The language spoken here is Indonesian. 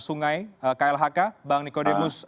sungai klhk bang nicodemus